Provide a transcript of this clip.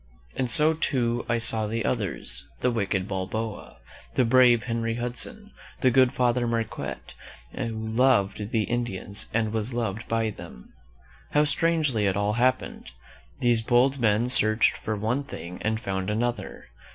And so, too, I saw the others — the wicked Balboa, the brave Henry Hudson, the good Father Marquette, who loved the Indians and was loved by them. How strangely it all happened! These bold men searched for one thing and found another.